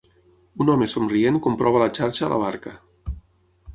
Un home somrient comprova la xarxa a la barca.